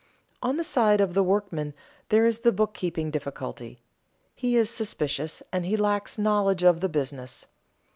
_ On the side of the workman there is the bookkeeping difficulty. He is suspicious, and he lacks knowledge of the business.